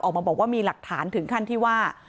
ออกมาบอกว่ามีหลักฐานถึงขั้นที่ว่า